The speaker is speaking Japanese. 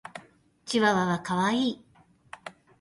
チワワは可愛い。